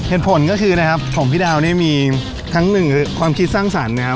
เหตุผลก็คือนะครับของพี่ดาวนี่มีทั้งหนึ่งความคิดสร้างสรรค์นะครับ